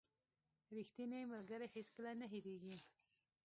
• ریښتینی ملګری هیڅکله نه هېریږي.